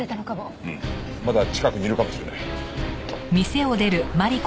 うんまだ近くにいるかもしれない。